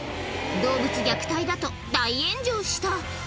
動物虐待だと、大炎上した。